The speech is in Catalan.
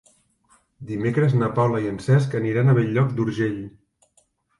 Dimecres na Paula i en Cesc aniran a Bell-lloc d'Urgell.